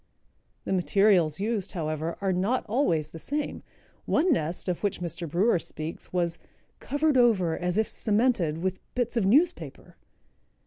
The materials used, however, are not always the same. One nest, of which Mr. Brewer speaks, was "covered over, as if cemented, with bits of newspaper."